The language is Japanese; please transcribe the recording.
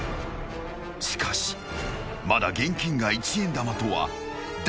［しかしまだ現金が一円玉とは誰も知らない］